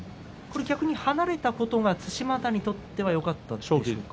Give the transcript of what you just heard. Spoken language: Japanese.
逆に離れたことが對馬洋にとってはよかったですか。